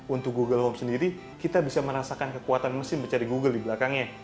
untuk google home sendiri kita bisa merasakan kekuatan mesin mencari google di belakangnya